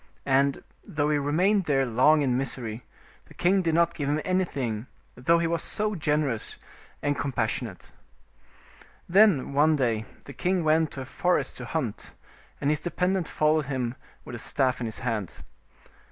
And, though he remained there long in misery, the king did not give him anything, though he was generous and compas sionate. Then, one day the king went to a forest to hunt, and his dependent followed him with a staff in his hand.